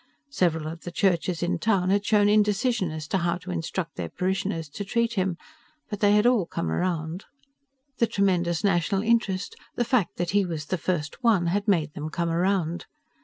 Several of the churches in town had shown indecision as to how to instruct their parishioners to treat him. But they had all come around. The tremendous national interest, the fact that he was the First One, had made them come around.